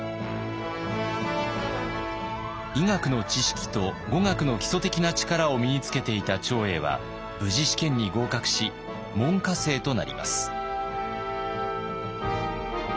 医学の知識と語学の基礎的な力を身につけていた長英は無事試験に合格し門下生となります。